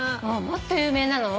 もっと有名なの。